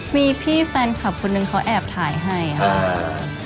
มีพี่แฟนคับอีกคนเนี่ยเขาแอบถ่ายให้ค่ะ